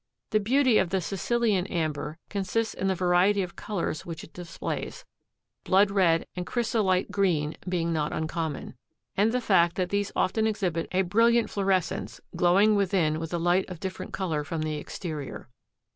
The beauty of the Sicilian amber consists in the variety of colors which it displays, blood red and chrysolite green being not uncommon, and the fact that these often exhibit a brilliant fluorescence, glowing within with a light of different color from the exterior.